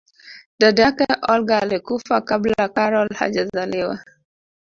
dada yake olga alikufa kabla karol hajazaliwa